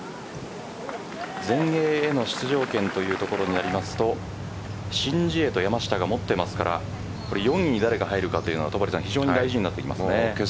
全英への出場権というところにありますと申ジエと山下が持っていますから４位に誰が入るかというのは非常に大事ですね。